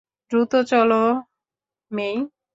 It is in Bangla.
দ্রুত চলো, মেই।